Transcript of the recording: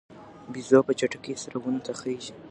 بیزو په چټکۍ سره ونو ته خیژي.